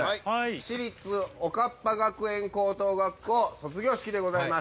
私立おかっぱ学園高等学校卒業式でございます。